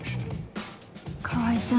川合ちゃん